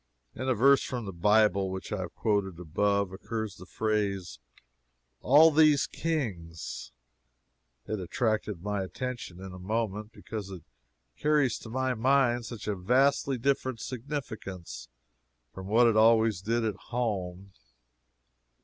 In a verse from the Bible which I have quoted above, occurs the phrase "all these kings." It attracted my attention in a moment, because it carries to my mind such a vastly different significance from what it always did at home.